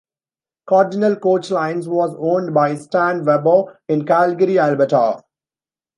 Cardinal Coach Lines was owned by Stan Weber in Calgary Alberta.